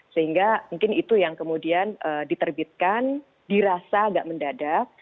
sehingga mungkin itu yang kemudian diterbitkan dirasa agak mendadak